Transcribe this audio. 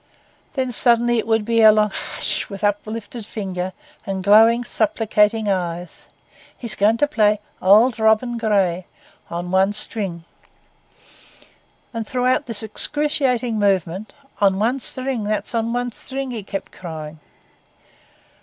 Then suddenly, it would be a long, 'Hush!' with uplifted finger and glowing, supplicating eyes, 'he's going to play "Auld Robin Gray" on one string!' And throughout this excruciating movement,—'On one string, that's on one string!' he kept crying.